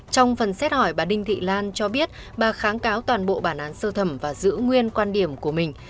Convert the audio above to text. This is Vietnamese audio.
trong phần xét hỏi bà đinh thị lan cho biết bà kháng cáo toàn bộ bản án sơ thẩm và giữ nguyên quan điểm của mình